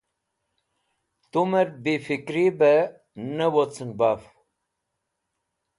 Tumẽr bifikri bẽ ne wocẽn baf.